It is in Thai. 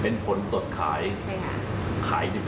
เป็นผลสดขายใช่ค่ะ